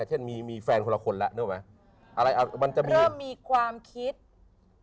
เช่นมีแฟนคนละคนเริ่มมีความคิดที่แตกต่าง